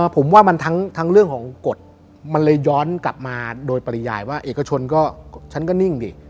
ผมว่ามันทั้งเรื่องของกฎมันเลยย้อนกลับมาโดยปริยายว่าเอกชนก็ฉันก็นิ่งดิ